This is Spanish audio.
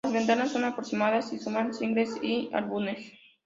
Las ventas son aproximadas y suman singles y álbumes.